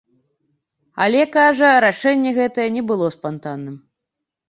Але, кажа, рашэнне гэтае не было спантанным.